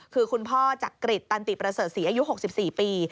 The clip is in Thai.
คือคุณพ่อจักริจตันติประเสริฐศรีอายุ๖๔ปี